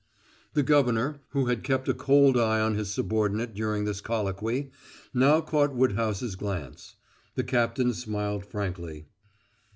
The governor, who had kept a cold eye on his subordinate during this colloquy, now caught Woodhouse's glance. The captain smiled frankly.